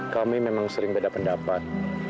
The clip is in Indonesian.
kami memang sering beda pendapat